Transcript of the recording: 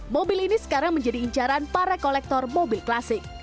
mobil ini sekarang menjadi incaran para kolektor mobil klasik